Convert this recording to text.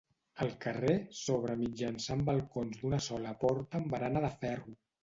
Al carrer s'obre mitjançant balcons d'una sola porta amb barana de ferro.